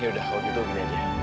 yaudah kalau gitu gini aja